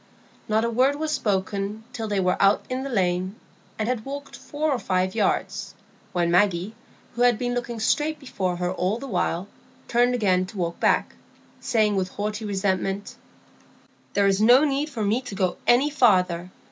Not a word was spoken till they were out in the lane, and had walked four or five yards, when Maggie, who had been looking straight before her all the while, turned again to walk back, saying, with haughty resentment,— "There is no need for me to go any farther.